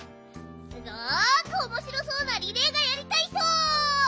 すごくおもしろそうなリレーがやりたいひと！